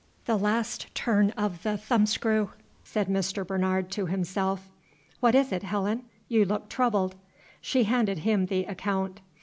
"The last turn of the thumbscrew!" said Mr. Bernard to himself. "What is it, Helen? You look troubled." She handed him the account.